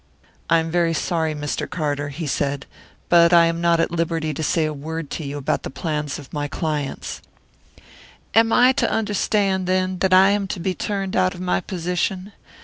"I am very sorry, Mr. Garter," he said; "but I am not at liberty to say a word to you about the plans of my clients." "Am I to understand, then, that I am to be turned out of my position?